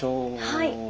はい。